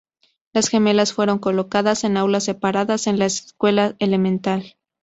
Las gemelas fueron colocadas en aulas separadas en la escuela elemental.